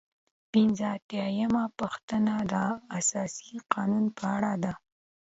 پنځه اتیا یمه پوښتنه د اساسي قانون په اړه ده.